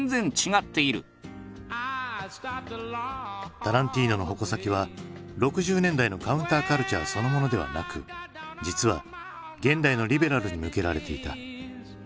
タランティーノの矛先は６０年代のカウンターカルチャーそのものではなく実は現代のリベラルに向けられていた。